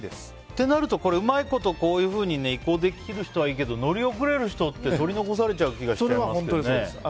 となると、うまいことこういうふうに移行できてる人はいいけど乗り遅れた人は取り残されちゃう気がする。